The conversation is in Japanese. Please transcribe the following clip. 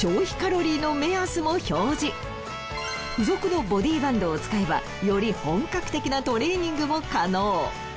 また付属のボディバンドを使えばより本格的なトレーニングも可能。